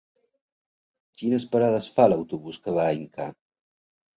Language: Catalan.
Quines parades fa l'autobús que va a Inca?